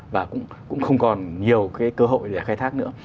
và cũng không còn nhiều cái cơ hội để khai thác nữa